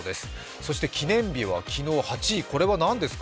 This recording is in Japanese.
そして記念日は昨日８位、これは何ですか？